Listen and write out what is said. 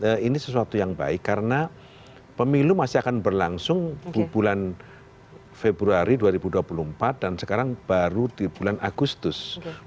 nah ini sesuatu yang baik karena pemilu masih akan berlangsung bulan februari dua ribu dua puluh empat dan sekarang baru di bulan agustus dua ribu dua puluh